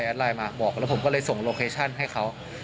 ไลน์มาบอกแล้วผมก็เลยส่งโลเคชั่นให้เขา